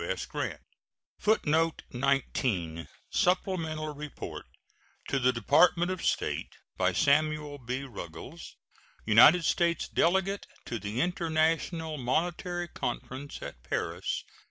S. GRANT. [Footnote 19: Supplemental report to the Department of State by Samuel B. Ruggles, United States delegate to the International Monetary Conference at Paris, 1867.